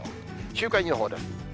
週間予報です。